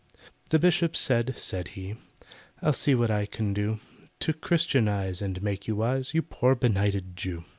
The Bishop said, said he, "I'll see what I can do To Christianise and make you wise, You poor benighted Jew."